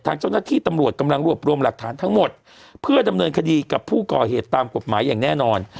ทางเจ้าหน้าที่ตำรวจกำลังรวบรวมหลักฐานทั้งหมดเพื่อดำเนินคดีกับผู้ก่อเหตุตามกฎหมายอย่างแน่นอน